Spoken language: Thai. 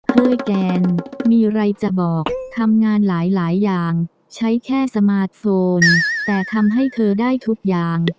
เฮ้ยแกนมีอะไรจะบอกทำงานหลายอย่างใช้แค่สมาร์ทโฟนแต่ทำให้เธอได้ทุกอย่าง